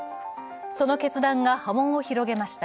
その決断が波紋を広げました。